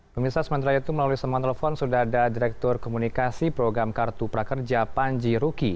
pemirsa sementara itu melalui semuanya telepon sudah ada direktur komunikasi program kartu prakerja panji ruki